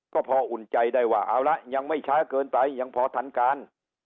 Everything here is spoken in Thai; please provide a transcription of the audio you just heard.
ก็พออุ่นใจได้ว่าเอาละยังไม่ช้าเกินไปยังพอทันการ